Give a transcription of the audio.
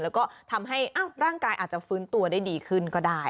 แล้วก็ทำให้ร่างกายอาจจะฟื้นตัวได้ดีขึ้นก็ได้